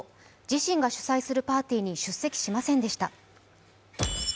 自身が主催するパーティーに出席しませんでした。